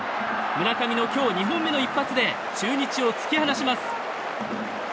村上の今日２本目の一発で中日を突き放します。